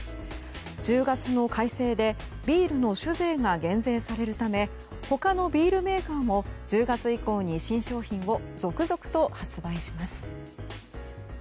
１０月の改正でビールの酒税が減税されるため他のビールメーカーも１０月以降に新商品を続々と発売します。